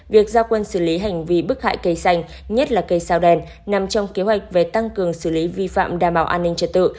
việc giao quân xử lý hành vi bức hại cây xanh nhất là cây sao đen nằm trong kế hoạch về tăng cường xử lý vi phạm đảm bảo an ninh trật tự